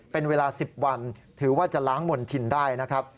เป็นเวลา๑๐วันถือว่าจะล้างมณฑินได้นะครับ